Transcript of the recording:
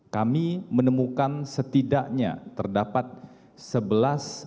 kami menemukan setidaknya terdapat sebelas orang